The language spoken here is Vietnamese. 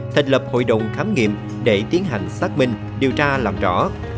thành lập hội đồng khám nghiệm để tiến hành xác minh điều tra làm rõ